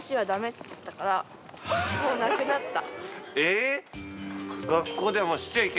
えっ！？